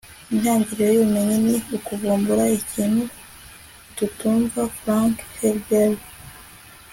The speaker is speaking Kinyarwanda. intangiriro y'ubumenyi ni ukuvumbura ikintu tutumva. - frank herbert